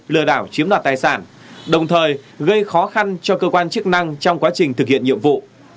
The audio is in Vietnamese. lừa đảo chiếm đoạt tài sản đồng thời gây khó khăn cho cơ quan chức năng trong quá trình thực hiện nhiệm vụ